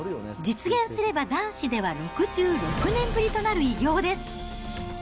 実現すれば男子では６６年ぶりとなる偉業です。